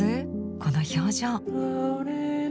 この表情。